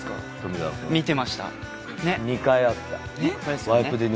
２回あった。